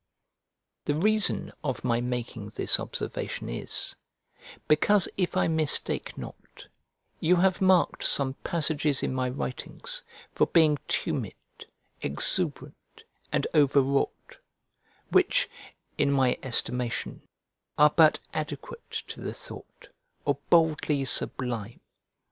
The reason of my making this observation is, because, if I mistake not, you have marked some passages in my writings for being tumid, exuberant, and over wrought, which, in my estimation, are but adequate to the thought, or boldly sublime.